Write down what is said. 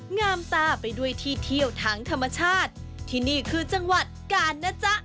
งามตาไปด้วยที่เที่ยวทางธรรมชาติที่นี่คือจังหวัดกาลนะจ๊ะ